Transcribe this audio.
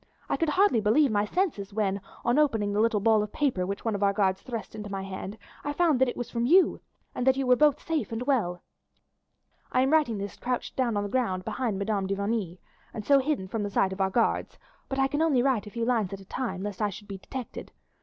I could hardly believe my senses when, on opening the little ball of paper which one of our guards thrust into my hand, I found that it was from you, and that you were both safe and well. I am writing this crouched down on the ground behind Madame de Vigny, and so hidden from the sight of our guards, but I can only write a few lines at a time, lest I should be detected.